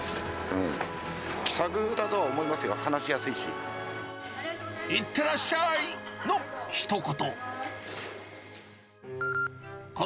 気さくだとは思いますよ、話しやいってらっしゃいのひと言。